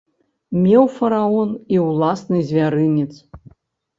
Меў фараон і ўласны звярынец.